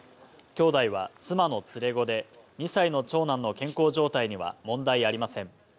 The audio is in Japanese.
兄弟は妻の連れ子で、２歳の長男の健康状態には問題ありません。